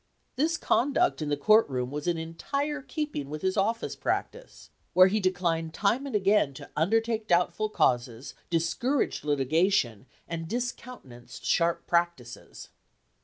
This conduct in the court room was in entire keeping with his office practice, where he declined time and again to undertake doubtful causes, dis couraged litigation, and discountenanced sharp practices.